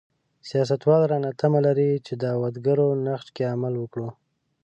سیاستوال رانه تمه لري چې دعوتګرو نقش کې عمل وکړو.